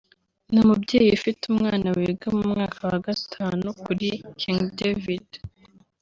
ni umubyeyi ufite umwana wiga mu mwaka wa Gatanu kuri King David